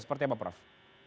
seperti apa prof